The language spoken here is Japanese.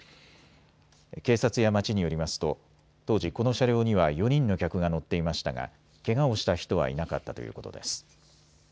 警察や町によりますと当時この車両には４人の客が乗っていましたがけがをした人はいなかったということです。